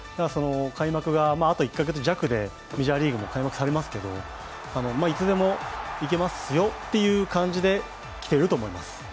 開幕があと１か月弱でメジャーリーグも開幕されますけどいつでもいけますよという感じで来ていると思います。